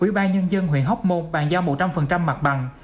ủy ban nhân dân huyện hóc môn bàn giao một trăm linh mặt bằng